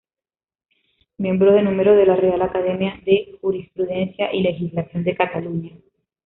Miembro de Número de la Real Academia de Jurisprudencia y Legislación de Cataluña.